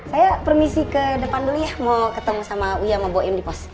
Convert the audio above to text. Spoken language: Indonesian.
saya permisi ke depan dulu ya mau ketemu sama wiya sama boeing di pos